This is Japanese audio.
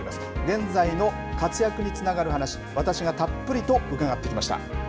現在の活躍につながる話、私がたっぷりと伺ってきました。